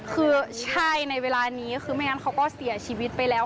คือใช่ในเวลานี้คือไม่งั้นเขาก็เสียชีวิตไปแล้ว